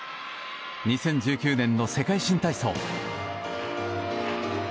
２０１９年の世界新体操。